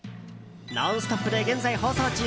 「ノンストップ！」で現在放送中。